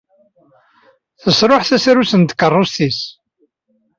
Yesṛuḥ tasarut n tkeṛṛust-nnes.